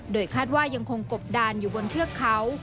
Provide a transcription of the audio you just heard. โดยคาดว่ายังคงกบดานอยู่บนเทือกเขา